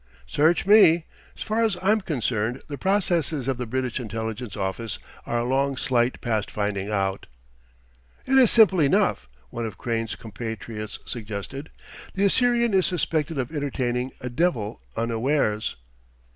"Search me. 'Sfar's I'm concerned the processes of the British Intelligence Office are a long sight past finding out." "It is simple enough," one of Crane's compatriots suggested: "the Assyrian is suspected of entertaining a devil unawares."